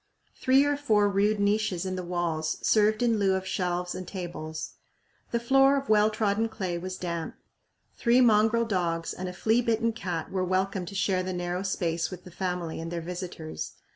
Three or four rude niches in the walls served in lieu of shelves and tables. The floor of well trodden clay was damp. Three mongrel dogs and a flea bitten cat were welcome to share the narrow space with the family and their visitors.